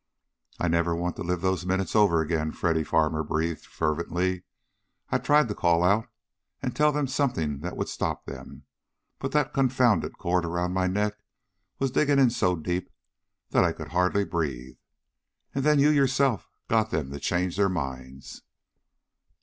"I never want to live those minutes over again!" Freddy Farmer breathed fervently. "I tried to call out and tell them something that would stop them, but that confounded cord around my neck was digging in so deep that I could hardly breathe. And then you, yourself, got them to change their minds."